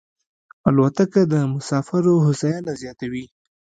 الوتکه د مسافرو هوساینه زیاتوي.